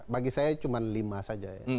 bagi saya cuma lima saja ya